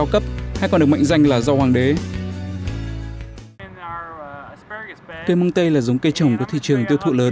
cây midar là giống cây trồng